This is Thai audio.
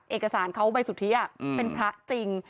เอกสารเขาใบสุทธิเป็นพระจริง